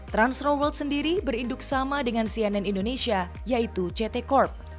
transtro world sendiri berinduk sama dengan cnn indonesia yaitu ct corp